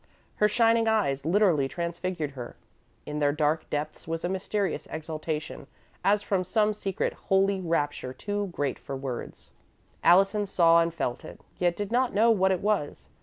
Her shining eyes literally transfigured her. In their dark depths was a mysterious exaltation, as from some secret, holy rapture too great for words. Allison saw and felt it, yet did not know what it was.